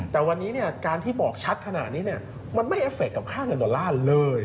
แต่วันนี้การที่บอกชัดขนาดนี้มันไม่เอฟเคกับค่าเงินดอลลาร์เลย